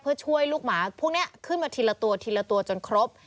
เพื่อช่วยลูกหมาพวกนี้ขึ้นมาทีละตัวทีละตัวจนครบ